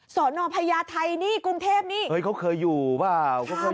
สอนอพญาไทยนี่กรุงเทพนี่เฮ้ยเขาเคยอยู่เปล่า